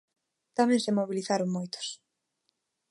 Tamén se mobilizaron moitos.